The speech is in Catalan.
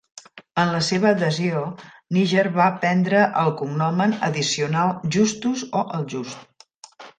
En la seva adhesió, Niger va prendre el cognomen addicional "Justus", o "El Just".